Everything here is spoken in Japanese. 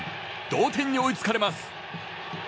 同点に追いつかれます。